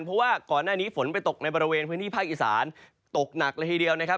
เพราะว่าก่อนหน้านี้ฝนไปตกในบริเวณพื้นที่ภาคอีสานตกหนักเลยทีเดียวนะครับ